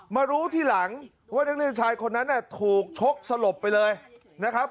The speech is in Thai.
มารู้ทีหลังว่านักเรียนชายคนนั้นถูกชกสลบไปเลยนะครับ